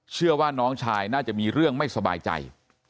เชื่อว่าน้องชายน่าจะมีเรื่องไม่สบายใจ